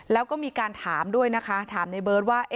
แล้วก็มีการถามด้วยนะคะถามในเบิร์ตว่า